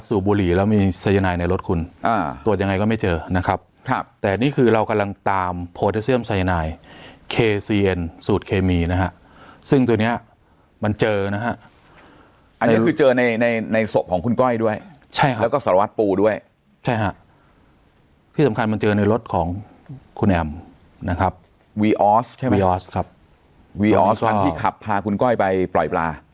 ที่สำคัญมันเจอในรถของคุณแอมนะครับใช่ไหมครับที่ขับพาคุณก้อยไปปล่อยปลา